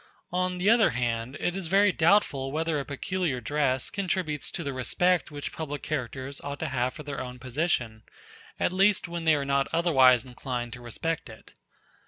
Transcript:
On the other hand, it is very doubtful whether a peculiar dress contributes to the respect which public characters ought to have for their own position, at least when they are not otherwise inclined to respect it.